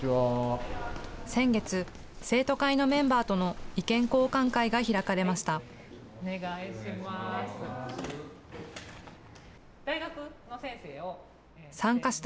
先月、生徒会のメンバーとの意見交換会が開かれました。